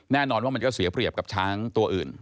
แน่นอนว่ามันก็เสียเปรียบกับช้างตัวอื่น